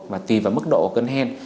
và tìm vào mức độ cơn hen